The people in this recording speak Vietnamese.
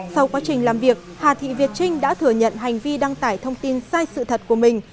sau quá trình làm việc hà thị việt trinh đã thừa nhận hành vi đăng tải thông tin sai sự thật của mình